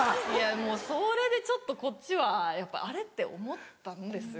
もうそれでちょっとこっちはあれ？って思ったんですよ。